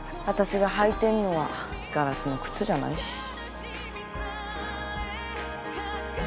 私が履いてんのはガラスの靴じゃないし。